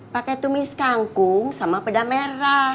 pakai tumis kangkung sama peda merah